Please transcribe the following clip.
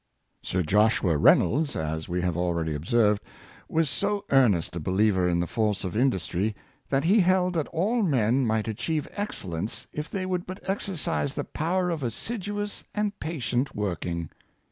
Sir Joshua Reynolds, as we have already observed, was so earnest a believer in the force of industry, that he held that all men might achieve excellence if they would but exercise the power of assiduous and patient working.